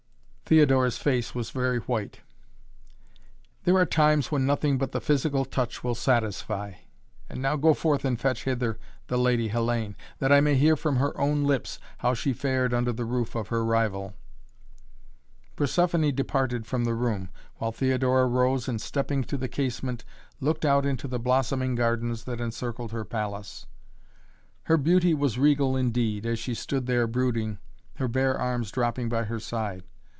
Theodora's face was very white. "There are times when nothing but the physical touch will satisfy. And now go and fetch hither the Lady Hellayne that I may hear from her own lips how she fared under the roof of her rival." Persephoné departed from the room, while Theodora arose and, stepping to the casement, looked out into the blossoming gardens that encircled her palace. Her beauty was regal indeed, as she stood there brooding, her bare arms dropping by her side.